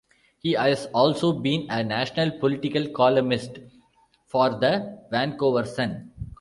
He has also been a national political columnist for the "Vancouver Sun".